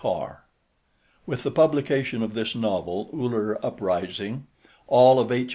Carr With the publication of this novel, Uller Uprising, all of H.